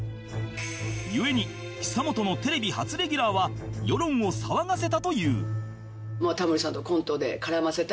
故に久本のテレビ初レギュラーは世論を騒がせたという